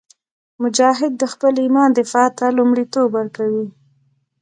مجاهد د خپل ایمان دفاع ته لومړیتوب ورکوي.